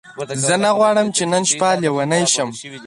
زه نه غواړم چې نن شپه لیونۍ شې.